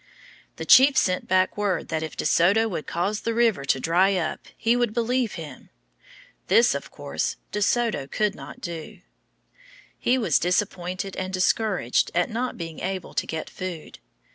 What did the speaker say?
The chief sent back word that if De Soto would cause the river to dry up he would believe him. This, of course, De Soto could not do. He was disappointed and discouraged at not being able to get food.